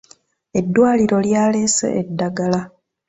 Eddwaliro lyaleese eddagala.